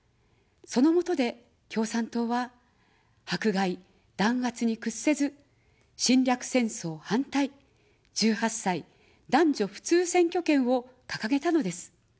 そのもとで、共産党は迫害、弾圧に屈せず、「侵略戦争反対」、「１８歳男女普通選挙権」をかかげたのです。